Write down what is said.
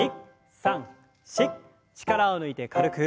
力を抜いて軽く。